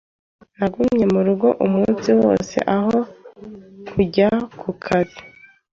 Nagumye murugo umunsi wose aho kujya ku kazi.